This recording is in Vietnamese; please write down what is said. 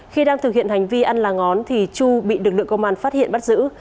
khi đang thực hiện hành vi ăn lán thì chu bị lực lượng công an phát hiện bắt giữ